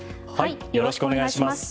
よろしくお願いします。